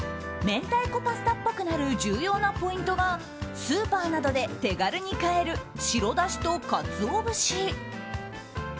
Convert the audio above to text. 明太子パスタっぽくなる重要なポイントがスーパーなどで手軽に買える白だしとカツオ節。